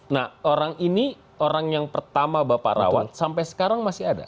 nah orang ini orang yang pertama bapak rawat sampai sekarang masih ada